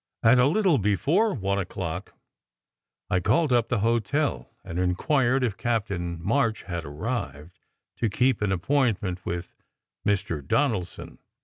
At a little before one o clock, I called up the hotel, and inquired if Captain March had arrived, to keep an appoint ment with Mr. Donaldson.